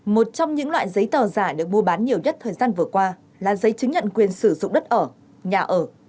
một trong những loại giấy tờ giả được mua bán nhiều nhất thời gian vừa qua là giấy chứng nhận quyền sử dụng đất ở nhà ở